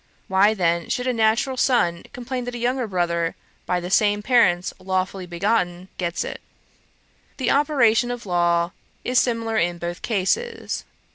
Why then should a natural son complain that a younger brother, by the same parents lawfully begotten, gets it? The operation of law is similar in both cases.